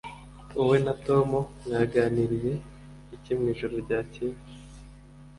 Wowe na Tom mwaganiriye iki mwijoro ryakeye?